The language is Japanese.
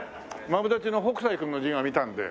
マブダチの北斎君の字を見たんで。